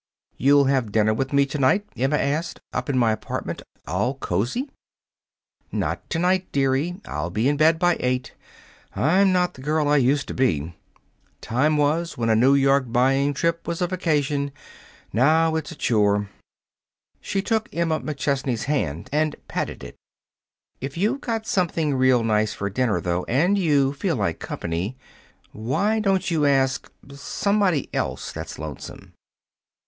"You'll have dinner with me to night?" Emma asked. "Up at my apartment, all cozy?" "Not to night, dearie. I'll be in bed by eight. I'm not the girl I used to be. Time was when a New York buying trip was a vacation. Now it's a chore." She took Emma McChesney's hand and patted it. "If you've got something real nice for dinner, though, and feel like company, why don't you ask somebody else that's lonesome."